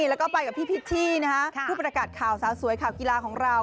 แล้วก็ไปกับพี่พิชชี่ผู้ประกาศข่าวสาวสวยข่าวกีฬาของเรา